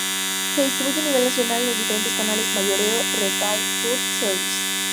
Se distribuye a nivel nacional en los diferentes canales: mayoreo, retail, food service.